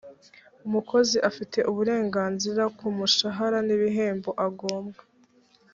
umukozi afite uburenganzira ku mushahara n’ ibihembo agombwa.